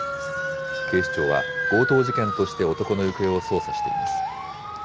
警視庁は、強盗事件として男の行方を捜査しています。